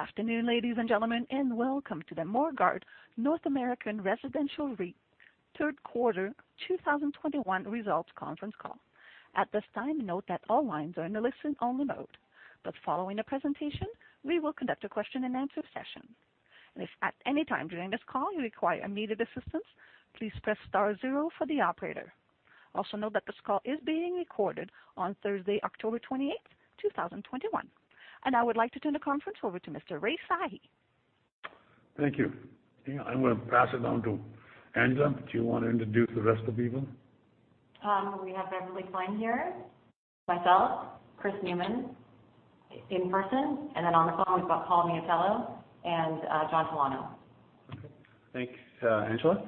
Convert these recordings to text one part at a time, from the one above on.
Good afternoon, ladies and gentlemen, and welcome to the Morguard North American Residential REIT third quarter 2021 results conference call. At this time, note that all lines are in a listen only mode, but following the presentation, we will conduct a question and answer session. If at any time during this call you require immediate assistance, please press star zero for the operator. Also note that this call is being recorded on Thursday, October 28, 2021. I would like to turn the conference over to Mr. Rai Sahi. Thank you. I'm going to pass it down to Angela. Do you want to introduce the rest of people? We have Beverley Flynn here, myself, Chris Newman in person, and then on the phone we've got Paul Miatello and John Talano. Okay. Thanks, Angela.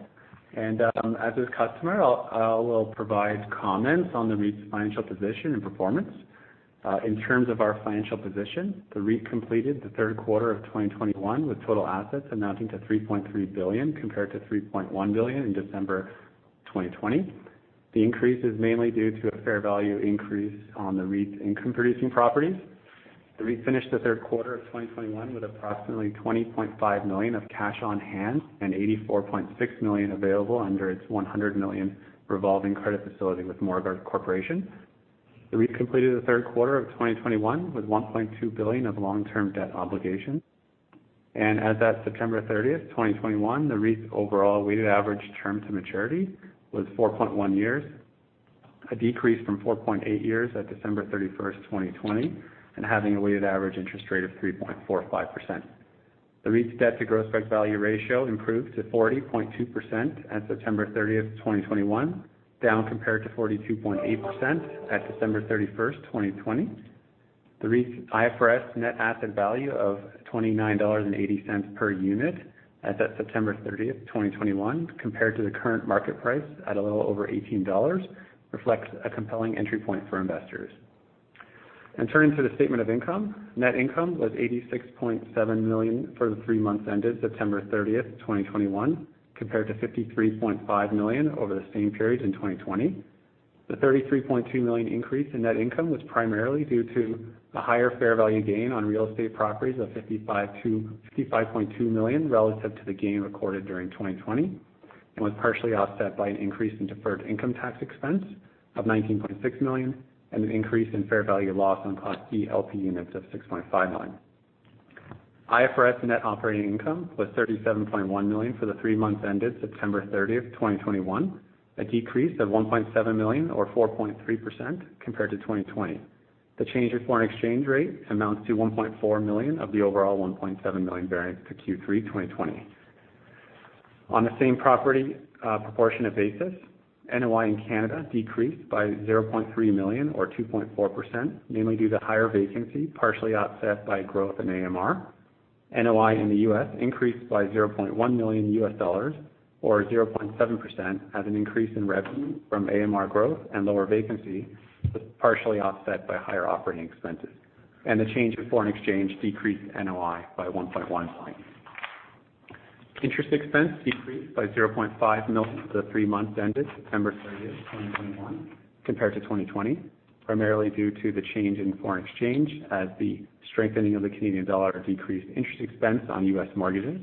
As is customary, I will provide comments on the REIT's financial position and performance. In terms of our financial position, the REIT completed the third quarter of 2021 with total assets amounting to 3.3 billion compared to 3.1 billion in December 2020. The increase is mainly due to a fair value increase on the REIT's income producing properties. The REIT finished the third quarter of 2021 with approximately 20.5 million of cash on hand and 84.6 million available under its 100 million revolving credit facility with Morguard Corporation. The REIT completed the third quarter of 2021 with 1.2 billion of long-term debt obligations. As at September 30, 2021, the REIT's overall weighted average term to maturity was 4.1 years, a decrease from 4.8 years at December 31, 2020, and having a weighted average interest rate of 3.45%. The REIT's debt to gross book value ratio improved to 40.2% at September 30, 2021, down compared to 42.8% at December 31, 2020. The REIT's IFRS net asset value of 29.80 dollars per unit as of September 30, 2021, compared to the current market price at a little over 18 dollars, reflects a compelling entry point for investors. Turning to the statement of income. Net income was 86.7 million for the three months ended September 30, 2021, compared to 53.5 million over the same period in 2020. The 33.2 million increase in net income was primarily due to a higher fair value gain on real estate properties of 55 million-55.2 million relative to the gain recorded during 2020, and was partially offset by an increase in deferred income tax expense of 19.6 million and an increase in fair value loss on Class B LP units of 6.5 million. IFRS net operating income was 37.1 million for the three months ended September 30, 2021, a decrease of 1.7 million or 4.3% compared to 2020. The change in foreign exchange rate amounts to 1.4 million of the overall 1.7 million variance to Q3 2020. On a same-property basis, NOI in Canada decreased by 0.3 million or 2.4%, mainly due to higher vacancy, partially offset by growth in AMR. NOI in the US increased by $0.1 million or 0.7% as an increase in revenue from AMR growth and lower vacancy was partially offset by higher operating expenses. The change in foreign exchange decreased NOI by 1.1 million. Interest expense decreased by 0.5 million for the three months ended September 30, 2021 compared to 2020, primarily due to the change in foreign exchange as the strengthening of the Canadian dollar decreased interest expense on US mortgages.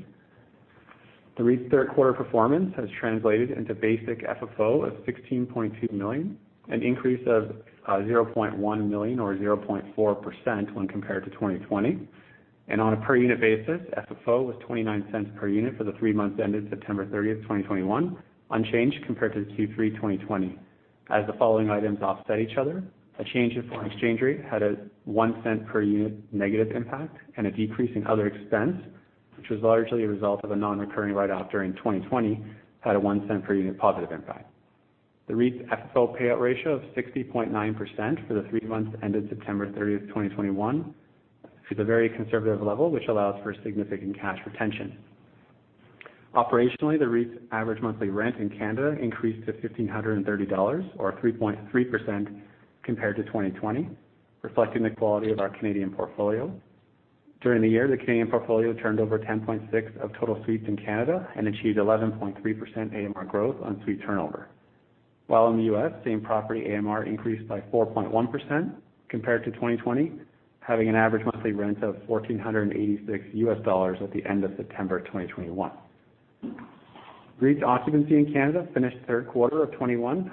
The REIT's third quarter performance has translated into basic FFO of 16.2 million, an increase of 0.1 million or 0.4% when compared to 2020. On a per unit basis, FFO was 0.29 per unit for the three months ended September 30, 2021, unchanged compared to Q3 2020. As the following items offset each other, a change in foreign exchange rate had a 0.01 per unit negative impact and a decrease in other expense, which was largely a result of a non-recurring write-off during 2020, had a 0.01 per unit positive impact. The REIT's FFO payout ratio of 60.9% for the three months ended September 30, 2021 is a very conservative level, which allows for significant cash retention. Operationally, the REIT's average monthly rent in Canada increased to 1,530 dollars or 3.3% compared to 2020, reflecting the quality of our Canadian portfolio. During the year, the Canadian portfolio turned over 10.6% of total suites in Canada and achieved 11.3% AMR growth on suite turnover. In the US, same property AMR increased by 4.1% compared to 2020, having an average monthly rent of $1,486 at the end of September 2021. REIT's occupancy in Canada finished third quarter of 2021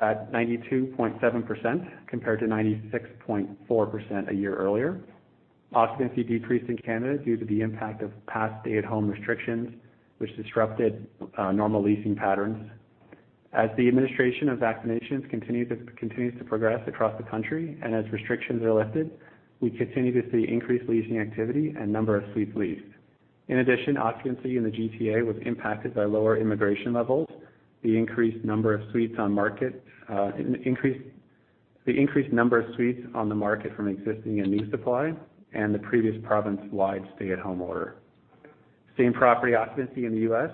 at 92.7% compared to 96.4% a year earlier. Occupancy decreased in Canada due to the impact of past stay-at-home restrictions, which disrupted normal leasing patterns. As the administration of vaccinations continues to progress across the country and as restrictions are lifted, we continue to see increased leasing activity and number of suites leased. In addition, occupancy in the GTA was impacted by lower immigration levels, the increased number of suites on the market from existing and new supply, and the previous province-wide stay-at-home order. Same property occupancy in the US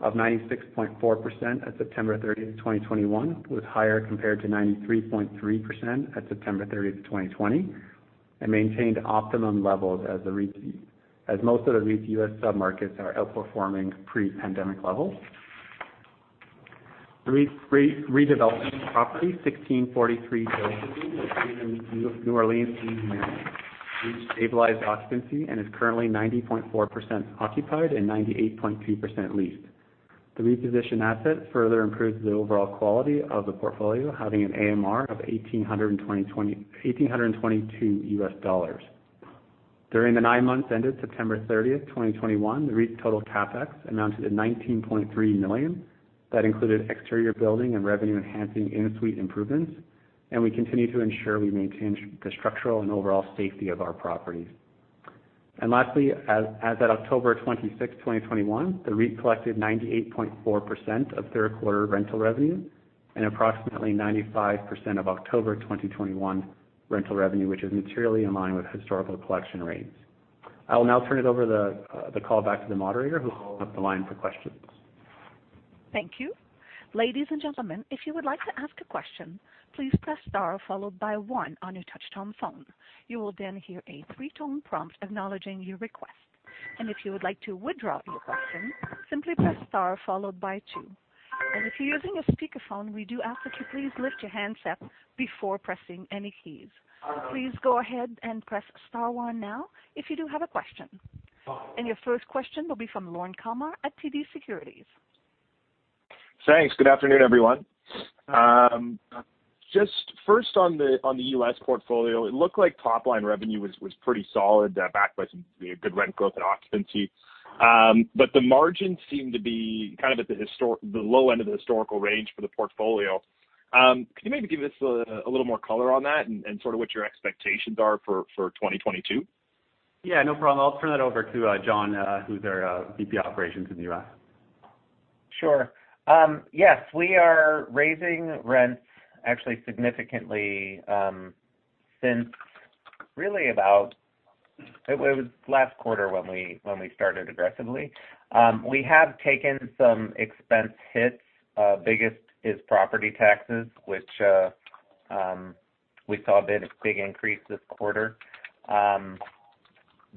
of 96.4% at September 30, 2021 was higher compared to 93.3% at September 30, 2020, and maintained optimum levels as most of the REIT's US submarkets are outperforming pre-pandemic levels. The redeveloped property, 1643 Building, is located in New Orleans, Louisiana. The REIT's stabilized occupancy is currently 90.4% occupied and 98.2% leased. The repositioned asset further improves the overall quality of the portfolio having an AMR of $1,822. During the nine months ended September 30, 2021, the REIT total CapEx amounted to 19.3 million. That included exterior building and revenue enhancing in-suite improvements, and we continue to ensure we maintain the structural and overall safety of our properties. Lastly, as at October 26, 2021, the REIT collected 98.4% of third quarter rental revenue and approximately 95% of October 2021 rental revenue, which is materially in line with historical collection rates. I will now turn the call back to the moderator who will open up the line for questions. Thank you. Ladies and gentlemen, if you would like to ask a question, please press star followed by one on your touchtone phone. You will then hear a three-tone prompt acknowledging your request. If you would like to withdraw your question, simply press star followed by two. If you're using a speakerphone, we do ask that you please lift your handset before pressing any keys. Please go ahead and press star one now if you do have a question. Your first question will be from Lorne Kalmar at TD Securities. Thanks. Good afternoon, everyone. Just first on the US portfolio, it looked like top line revenue was pretty solid, backed by some good rent growth and occupancy. But the margins seem to be kind of at the low end of the historical range for the portfolio. Could you maybe give us a little more color on that and sort of what your expectations are for 2022? Yeah, no problem. I'll turn that over to john, who's our VP Operations in the US. Sure. Yes, we are raising rents actually significantly. It was last quarter when we started aggressively. We have taken some expense hits. Biggest is property taxes, which we saw a bit of a big increase this quarter.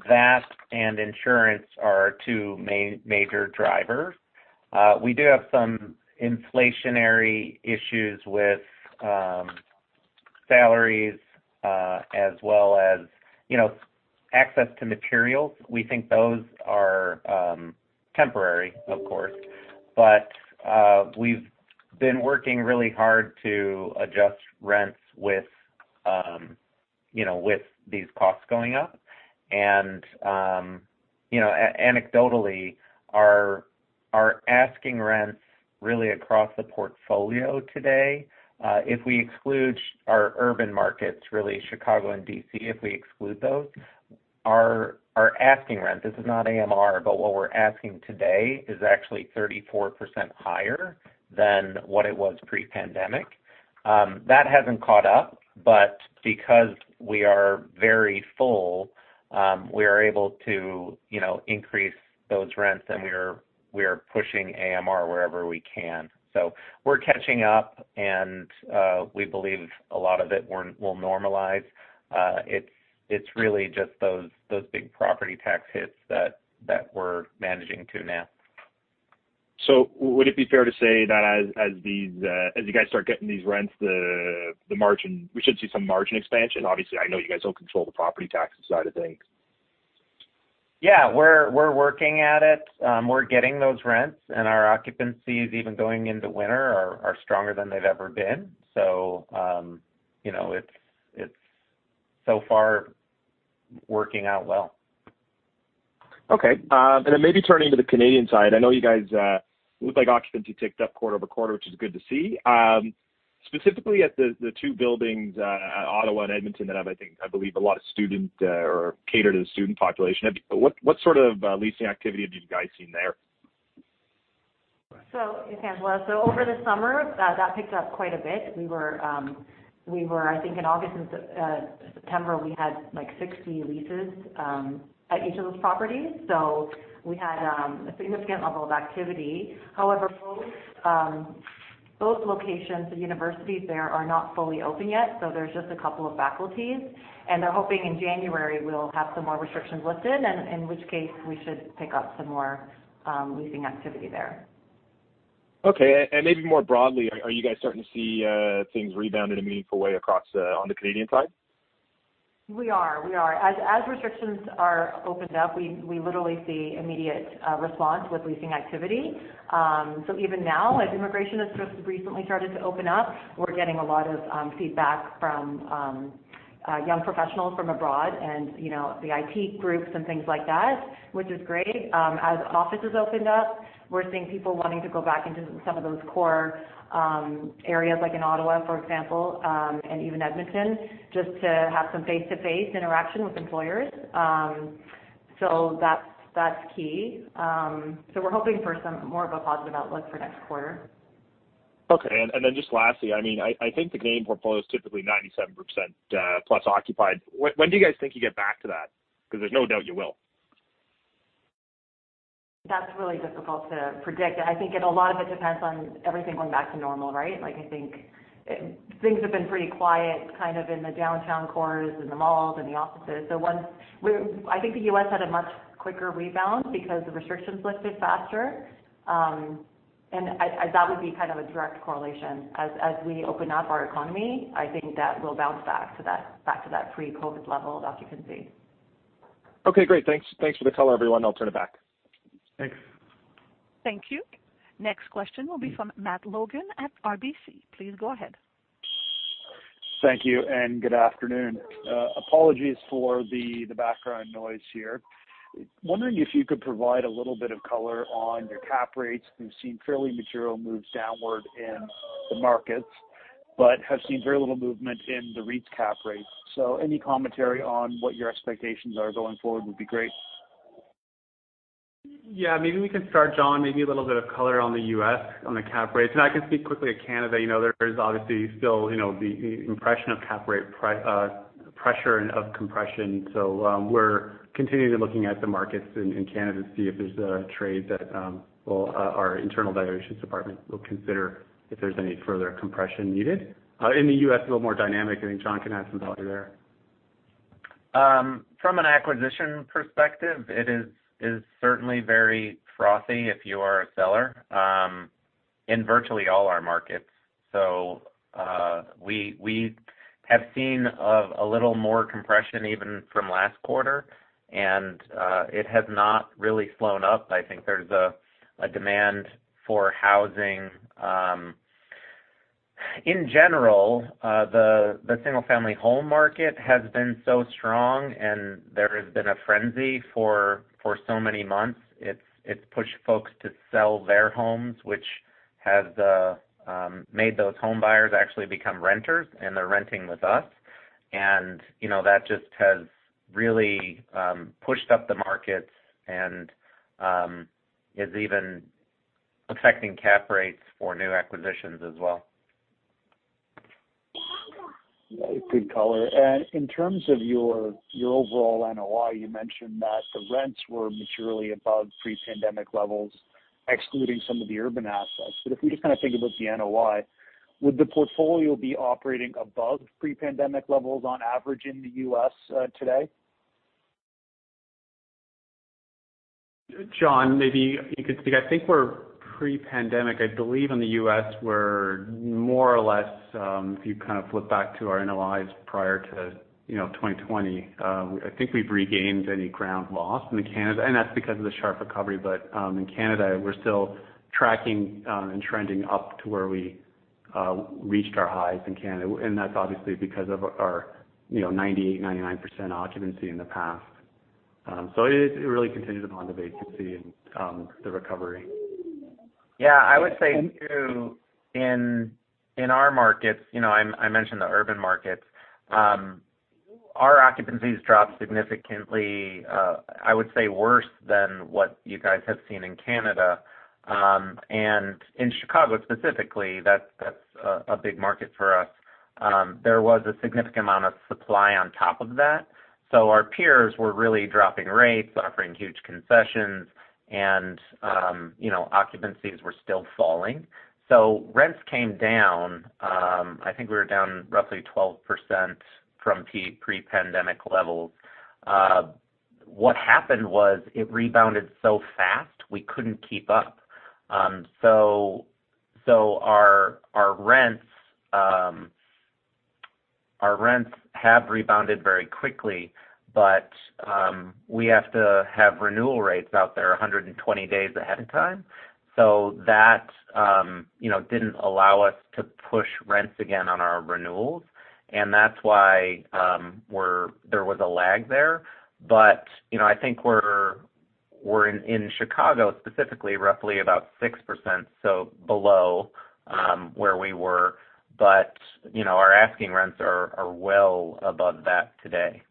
That and insurance are our two major drivers. We do have some inflationary issues with salaries as well as you know access to materials. We think those are temporary, of course. We've been working really hard to adjust rents with you know with these costs going up. You know, anecdotally, our asking rents really across the portfolio today, if we exclude our urban markets, really Chicago and DC, if we exclude those, our asking rent, this is not AMR, but what we're asking today is actually 34% higher than what it was pre-pandemic. That hasn't caught up, but because we are very full, we are able to, you know, increase those rents, and we are pushing AMR wherever we can. We're catching up, and we believe a lot of it will normalize. It's really just those big property tax hits that we're managing to now. Would it be fair to say that as you guys start getting these rents, the margin we should see some margin expansion? Obviously, I know you guys don't control the property tax side of things. Yeah. We're working at it. We're getting those rents, and our occupancies even going into winter are stronger than they've ever been. You know, it's so far working out well. Okay. Maybe turning to the Canadian side. I know you guys, it looked like occupancy ticked up quarter-over-quarter, which is good to see. Specifically at the two buildings at Ottawa and Edmonton that have, I think, I believe a lot of student or cater to the student population. What sort of leasing activity have you guys seen there? This is Angela. Over the summer, that picked up quite a bit. We were, I think in August and September, we had, like, 60 leases at each of those properties. We had a significant level of activity. However, both locations, the universities there are not fully open yet, so there's just a couple of faculties. They're hoping in January we'll have some more restrictions lifted, and in which case we should pick up some more leasing activity there. Okay. Maybe more broadly, are you guys starting to see things rebound in a meaningful way across on the Canadian side? We are. As restrictions are opened up, we literally see immediate response with leasing activity. Even now, as immigration has just recently started to open up, we're getting a lot of feedback from young professionals from abroad and, you know, the IT groups and things like that, which is great. As offices opened up, we're seeing people wanting to go back into some of those core areas like in Ottawa, for example, and even Edmonton, just to have some face-to-face interaction with employers. That's key. We're hoping for some more of a positive outlook for next quarter. Okay. Then just lastly, I mean, I think the Canadian portfolio is typically 97% plus occupied. When do you guys think you get back to that? Because there's no doubt you will. That's really difficult to predict. I think a lot of it depends on everything going back to normal, right? Like, I think things have been pretty quiet kind of in the downtown cores, in the malls, in the offices. I think the US had a much quicker rebound because the restrictions lifted faster. That would be kind of a direct correlation. As we open up our economy, I think that we'll bounce back to that, back to that pre-COVID level of occupancy. Okay, great. Thanks for the color, everyone. I'll turn it back. Thanks. Thank you. Next question will be from Matt Logan at RBC. Please go ahead. Thank you and good afternoon. Apologies for the background noise here. Wondering if you could provide a little bit of color on your cap rates. We've seen fairly material moves downward in the markets, but have seen very little movement in the REITs cap rates. Any commentary on what your expectations are going forward would be great. Yeah, maybe we can start, John, maybe a little bit of color on the US on the cap rates, and I can speak quickly to Canada. You know, there's obviously still, you know, the impression of cap rate pressure and of compression. We're continuing looking at the markets in Canada to see if there's a trade that our internal valuations department will consider if there's any further compression needed. In the US, a little more dynamic. I think John can add some value there. From an acquisition perspective, it is certainly very frothy if you are a seller in virtually all our markets. We have seen a little more compression even from last quarter, and it has not really blown up. I think there's a demand for housing. In general, the single-family home market has been so strong, and there has been a frenzy for so many months. It's pushed folks to sell their homes, which has made those home buyers actually become renters, and they're renting with us. You know, that just has really pushed up the markets and is even affecting cap rates for new acquisitions as well. Yeah, good color. In terms of your overall NOI, you mentioned that the rents were materially above pre-pandemic levels, excluding some of the urban assets. If we just kinda think about the NOI, would the portfolio be operating above pre-pandemic levels on average in the US today? John, maybe you could speak. I think we're pre-pandemic. I believe in the US, we're more or less if you kind of flip back to our NOIs prior to, you know, 2020, I think we've regained any ground lost. That's because of the sharp recovery. In Canada, we're still tracking and trending up to where we reached our highs in Canada, and that's obviously because of our, you know, 98%-99% occupancy in the past. It is, it really continues upon the vacancy and the recovery. Yeah, I would say, too, in our markets, you know, I mentioned the urban markets. Our occupancies dropped significantly, I would say worse than what you guys have seen in Canada. In Chicago specifically, that's a big market for us. There was a significant amount of supply on top of that. Our peers were really dropping rates, offering huge concessions, and you know, occupancies were still falling. Rents came down. I think we were down roughly 12% from pre-pandemic levels. What happened was it rebounded so fast we couldn't keep up. Our rents have rebounded very quickly. We have to have renewal rates out there 120 days ahead of time. that, you know, didn't allow us to push rents again on our renewals, and that's why there was a lag there. I think we're in Chicago specifically, roughly about 6%, so below where we were. Our asking rents are well above that today.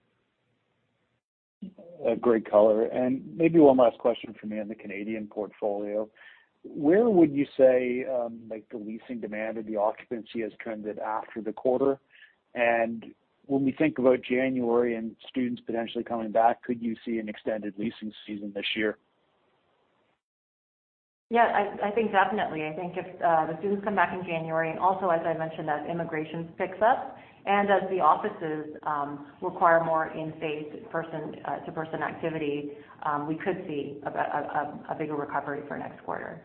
A great color. Maybe one last question for me on the Canadian portfolio. Where would you say, like the leasing demand or the occupancy has trended after the quarter? When we think about January and students potentially coming back, could you see an extended leasing season this year? Yeah, I think definitely. I think if the students come back in January, and also as I mentioned, as immigration picks up and as the offices require more in-person person-to-person activity, we could see a bigger recovery for next quarter.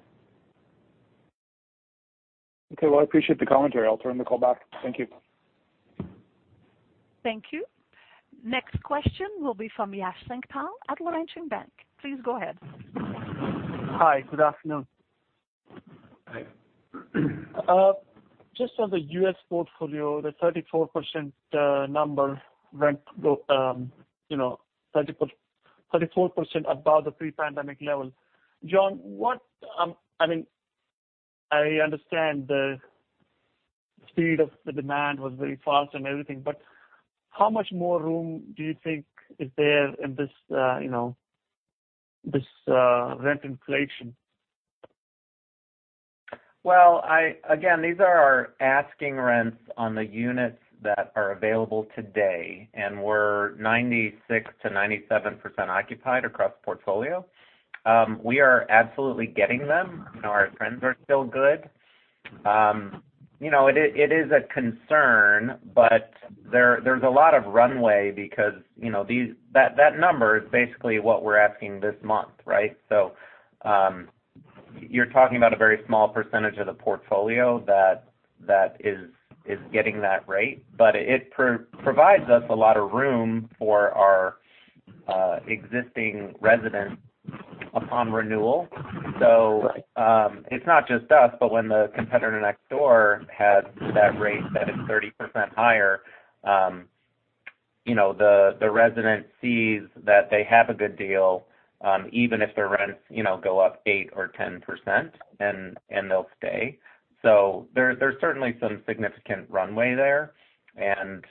Okay. Well, I appreciate the commentary. I'll turn the call back. Thank you. Thank you. Next question will be from Yash Sankpal at Laurentian Bank. Please go ahead. Hi. Good afternoon. Hi. Just on the US portfolio, the 34% number, you know, 34% above the pre-pandemic level. John, I mean, I understand the speed of the demand was very fast and everything, but how much more room do you think is there in this, you know, this rent inflation? Again, these are our asking rents on the units that are available today, and we're 96%-97% occupied across the portfolio. We are absolutely getting them. You know, our trends are still good. You know, it is a concern, but there's a lot of runway because, you know, that number is basically what we're asking this month, right? You're talking about a very small percentage of the portfolio that is getting that rate. But it provides us a lot of room for our existing residents upon renewal. It's not just us, but when the competitor next door has that rate that is 30% higher, you know, the resident sees that they have a good deal, even if their rents, you know, go up 8% or 10%, and they'll stay. There's certainly some significant runway there, and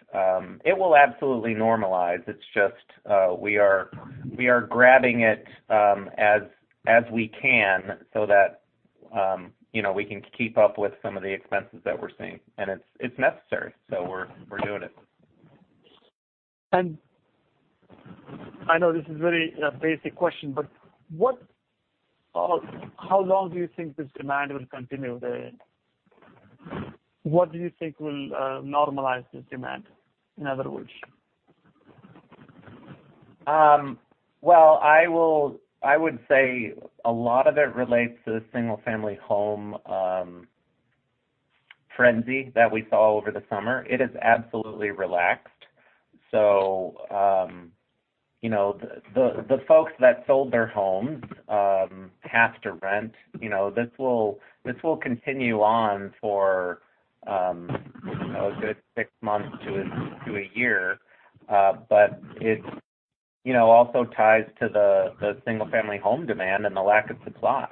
it will absolutely normalize. It's just we are grabbing it as we can so that, you know, we can keep up with some of the expenses that we're seeing. It's necessary, so we're doing it. I know this is very basic question, but how long do you think this demand will continue there? What do you think will normalize this demand, in other words? Well, I would say a lot of it relates to the single-family home frenzy that we saw over the summer. It has absolutely relaxed. You know, the folks that sold their homes have to rent. You know, this will continue on for a good six months to a year. But it also ties to the single-family home demand and the lack of supply.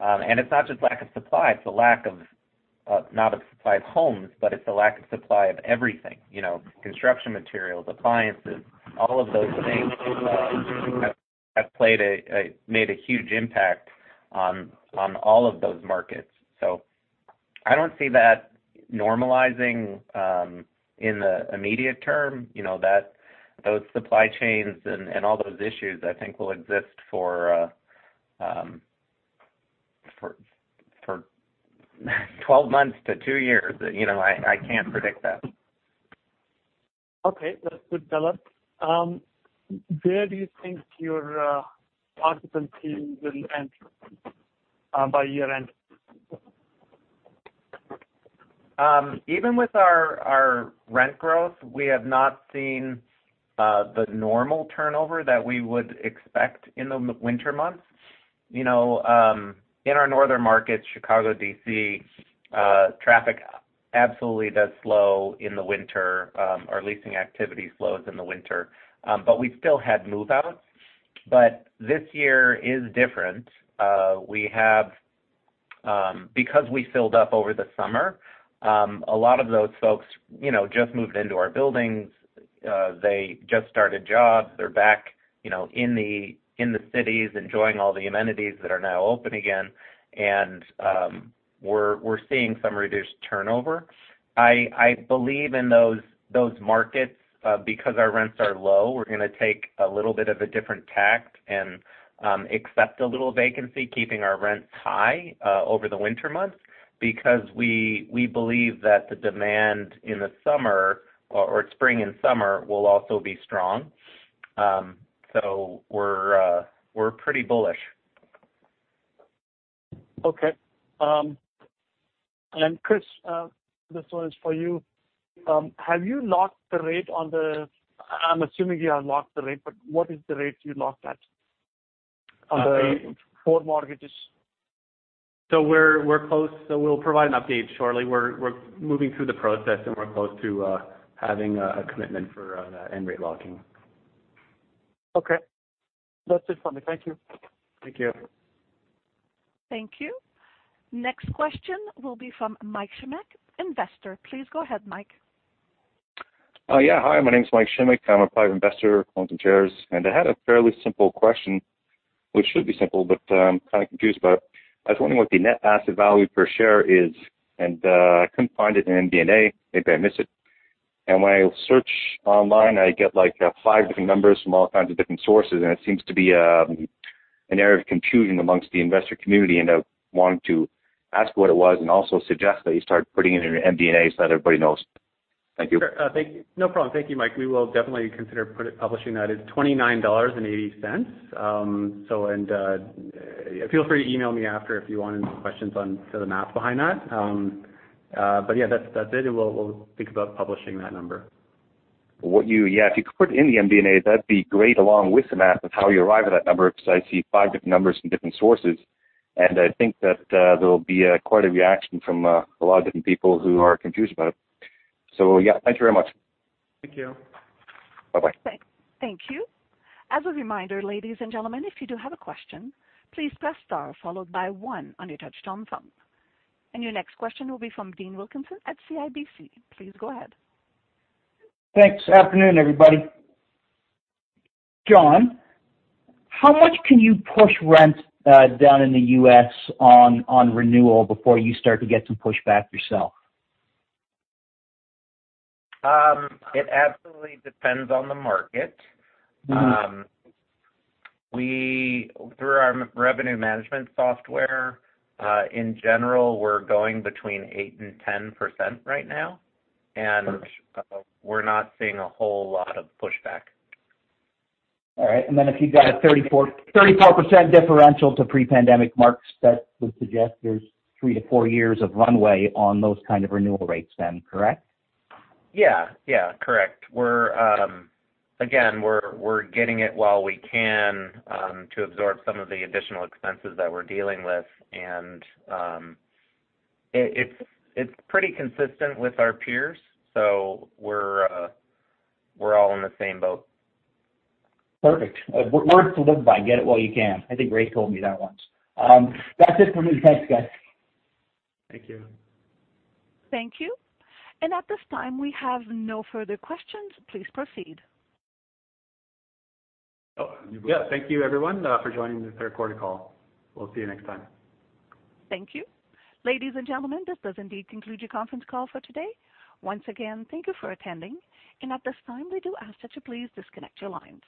And it's not just lack of supply, it's a lack of not of supply of homes, but it's a lack of supply of everything. You know, construction materials, appliances, all of those things have made a huge impact on all of those markets. I don't see that normalizing in the immediate term. You know, those supply chains and all those issues I think will exist for 12 months to two years. You know, I can't predict that. Okay. That's good, Philip. Where do you think your occupancy will end by year-end? Even with our rent growth, we have not seen the normal turnover that we would expect in the winter months. You know, in our northern markets, Chicago, DC, traffic absolutely does slow in the winter. Our leasing activity slows in the winter. We still had move-outs. This year is different because we filled up over the summer, a lot of those folks, you know, just moved into our buildings. They just started jobs. They're back, you know, in the cities, enjoying all the amenities that are now open again. We're seeing some reduced turnover. I believe in those markets because our rents are low. We're gonna take a little bit of a different tack and accept a little vacancy, keeping our rents high over the winter months. Because we believe that the demand in the summer or spring and summer will also be strong. We're pretty bullish. Okay. Chris, this one is for you. Have you locked the rate? I'm assuming you have locked the rate, but what is the rate you locked at on the? I think. core mortgages? We're close. We'll provide an update shortly. We're moving through the process, and we're close to having a commitment for and rate locking. Okay. That's it for me. Thank you. Thank you. Thank you. Next question will be from Mike Shamek, investor. Please go ahead, Mike. Hi, my name is Mike Shamek. I'm a private investor at Colton Chairs, and I had a fairly simple question, which should be simple, but kind of confused about. I was wondering what the net asset value per share is, and I couldn't find it in MD&A. Maybe I missed it. When I search online, I get like five different numbers from all kinds of different sources, and it seems to be an area of confusion amongst the investor community. I want to ask what it was and also suggest that you start putting it in your MD&A so that everybody knows. Thank you. Sure. Thank you. No problem. Thank you, Mike. We will definitely consider publishing that. It's 29.80 dollars. Feel free to email me after if you have any questions on the math behind that. Yeah, that's it, and we'll think about publishing that number. Yeah, if you could put in the MD&A, that'd be great, along with the math of how you arrive at that number, because I see five different numbers from different sources. I think that there will be quite a reaction from a lot of different people who are confused about it. Yeah, thank you very much. Thank you. Bye-bye. Thank you. As a reminder, ladies and gentlemen, if you do have a question, please press star followed by one on your touch-tone phone. Your next question will be from Dean Wilkinson at CIBC. Please go ahead. Thanks. Afternoon, everybody. John, how much can you push rent down in the US on renewal before you start to get some pushback yourself? It absolutely depends on the market. Mm-hmm. Through our revenue management software, in general, we're going between 8%-10% right now. Okay. We're not seeing a whole lot of pushback. All right. If you've got a 34% differential to pre-pandemic marks, that would suggest there's 3-4 years of runway on those kind of renewal rates then, correct? Yeah, yeah, correct. We're again getting it while we can to absorb some of the additional expenses that we're dealing with. It's pretty consistent with our peers. We're all in the same boat. Perfect. Words to live by, get it while you can. I think Ray told me that once. That's it for me. Thanks, guys. Thank you. Thank you. At this time, we have no further questions. Please proceed. Oh, yeah. Thank you everyone, for joining the third quarter call. We'll see you next time. Thank you. Ladies and gentlemen, this does indeed conclude your conference call for today. Once again, thank you for attending. At this time, we do ask that you please disconnect your lines.